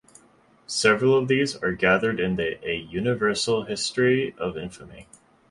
Several of these are gathered in the "A Universal History of Infamy".